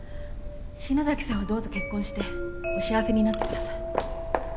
篠崎さんはどうぞ結婚してお幸せになってください。